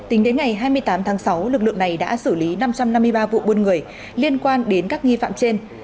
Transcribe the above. tính đến ngày hai mươi tám tháng sáu lực lượng này đã xử lý năm trăm năm mươi ba vụ buôn người liên quan đến các nghi phạm trên